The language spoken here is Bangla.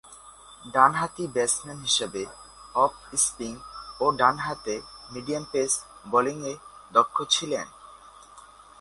ডানহাতি ব্যাটসম্যান হিসেবে অফ স্পিন ও ডানহাতে মিডিয়াম পেস বোলিংয়ে দক্ষ ছিলেন।